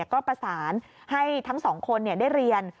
ก็ประสานให้ทั้งสองคนได้เรียน